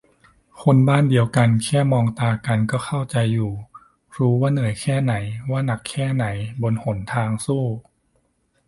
คนบ้านเดียวกัน แค่มองตากันก็เข้าใจอยู่ รู้ว่าเหนื่อยแค่ไหน ว่าหนักแค่ ไหนบนหนทางสู้